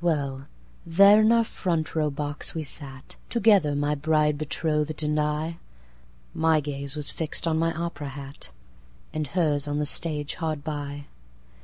Well! there in our front row box we sat, Together, my bride betroth'd and I;My gaze was fix'd on my opera hat, And hers on the stage hard by.